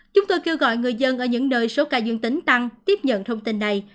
chúng tôi kêu gọi người dân ở những nơi số ca dương tính tăng tiếp nhận thông tin này